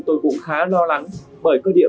tôi cũng khá lo lắng bởi cơ địa